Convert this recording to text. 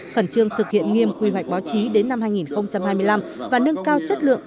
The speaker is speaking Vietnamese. khẩn trương thực hiện nghiêm quy hoạch báo chí đến năm hai nghìn hai mươi năm và nâng cao chất lượng